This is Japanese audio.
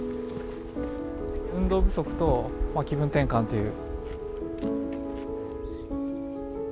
運動不足と、まあ、気分転換という。